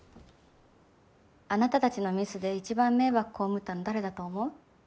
あなたたちのミスで一番迷惑被ったの誰だと思う？